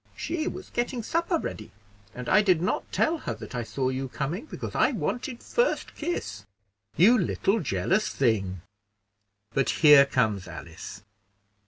"She was getting supper ready, and I did not tell her that I saw you coming, because I wanted first kiss." "You little jealous thing! but here comes Alice.